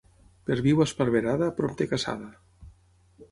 Perdiu esparverada, prompte caçada.